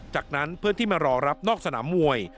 จากนั้นเพื่อนที่มารอรับนอกสนามมวย